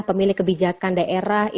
pemilik kebijakan daerah